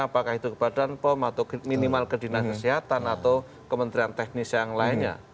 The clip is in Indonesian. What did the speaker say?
apakah itu ke badan pom atau minimal ke dinas kesehatan atau kementerian teknis yang lainnya